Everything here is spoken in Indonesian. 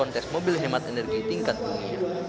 kontes mobil hemat energi tingkat dunia